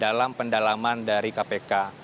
dalam pendalaman dari kpk